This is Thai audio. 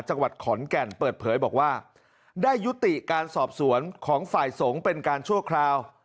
จังหวัดขอนแก่นเปิดเผยบอกว่าได้ยุติการสอบสวนของฝ่ายสงฆ์เป็นการชั่วคราว